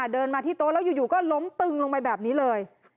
เดินมาที่โต๊ะแล้วอยู่ก็ล้มตึงลงไปแบบนี้เลย